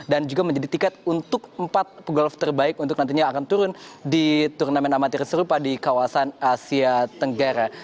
dan juga menjadi tiket untuk empat pegolof terbaik untuk nantinya akan turun di turnamen amatir serupa di kawasan asia tenggara